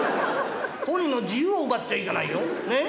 本人の自由を奪っちゃいけないよ。ね。